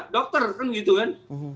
dokter kan gitu kan